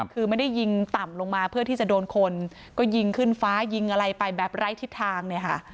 คือไม่ได้ยิงต่ำลงมาเพื่อที่จะโดนคนก็ยิงขึ้นฟ้ายิงอะไรไปแบบไร้ทิศทางเนี่ยค่ะ